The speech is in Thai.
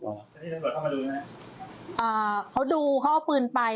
เขาดูเข้าเอามิ่นน้ำปืนไป